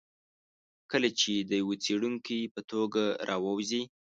کله چې د یوه څېړونکي په توګه راووځي.